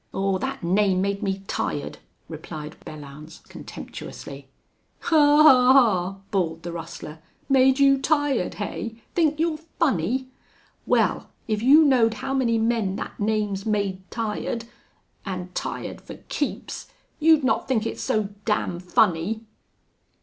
"Aw, that name made me tired," replied Belllounds, contemptuously. "Haw! Haw! Haw!" bawled the rustler. "Made you tired, hey? Think you're funny? Wal, if you knowed how many men thet name's made tired an' tired fer keeps you'd not think it so damn funny."